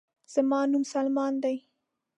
زما نوم سلمان دے